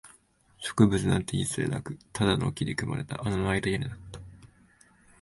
植物なんて一切なく、ただの木で組まれた穴のあいた屋根だった